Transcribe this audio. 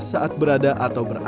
saat berada atau berakar